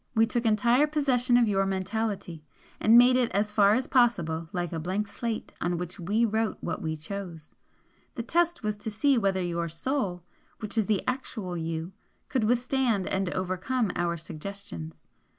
We took entire possession of your mentality, and made it as far as possible like a blank slate, on which we wrote what we chose. The test was to see whether your Soul, which is the actual You, could withstand and overcome our suggestions.